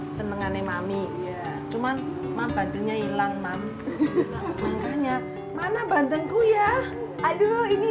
senengannya mami cuman mampatnya hilang mam makanya mana bandengku ya aduh ini